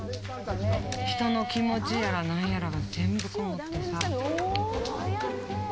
人の気持ちやら何やらが全部こもってさ。